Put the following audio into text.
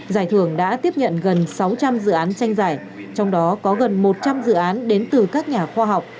giải thưởng đã tiếp nhận gần sáu trăm linh dự án tranh giải trong đó có gần một trăm linh dự án đến từ các nhà khoa học